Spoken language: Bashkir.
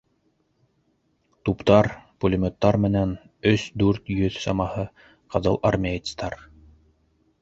Туптар, пулеметтар менән өс-дүрт йөҙ самаһы ҡыҙыл армеецтар.